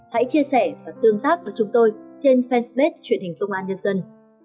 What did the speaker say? hãy chia sẻ và tương tác với chúng tôi trên fanpage truyền hình công an nhân dân